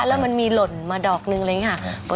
แล้วมันมีหล่นมาดอกนึงอะไรอย่างนี้ค่ะ